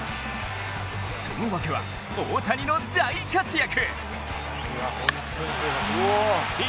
その訳は大谷の大活躍。